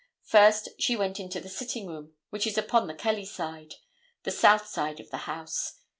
First, she went into the sitting room, which is upon the Kelly side, the south side of the house.